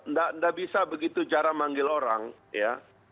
nggak bisa begitu cara manggil orang ya